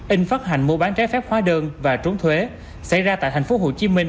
in phát hành mua bán trái phép hóa đơn và trốn thuế xảy ra tại tp hồ chí minh